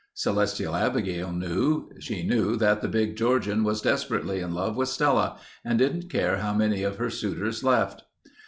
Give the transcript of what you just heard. Celestia Abigail knew. She knew that the big Georgian was desperately in love with Stella and didn't care how many of her suitors left.